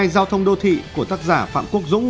giao thông đô thị của tác giả phạm quốc dũng